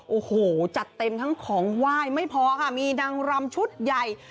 โอ้โหจัดเต็มทั้งของไหว้ไม่พอค่ะมีนางรำชุดใหญ่